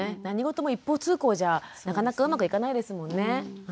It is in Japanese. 何事も一方通行じゃなかなかうまくいかないですもんね。